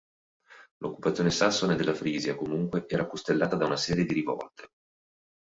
L'occupazione sassone della Frisia, comunque, era costellata da una serie di rivolte.